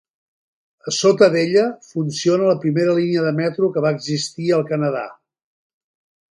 A sota d'ella, funciona la primera línia de metro que va existir al Canadà.